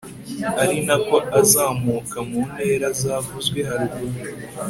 ari nako azamuka mu ntera zavuzwe haruguru